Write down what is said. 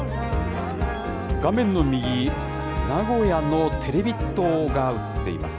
画面の右、名古屋のテレビ塔が映っています。